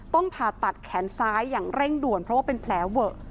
ผ่าตัดแขนซ้ายอย่างเร่งด่วนเพราะว่าเป็นแผลเวอะ